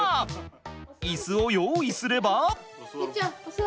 イスを用意すれば。